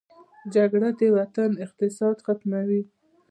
جګړه د وطن اقتصاد ختموي